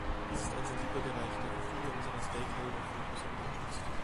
Dies ist ein sensibler Bereich, der für viele unserer Stakeholder von großer Bedeutung ist.